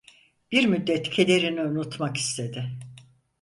Bir müddet kederini unutmak istedi.